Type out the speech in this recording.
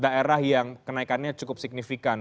daerah yang kenaikannya cukup signifikan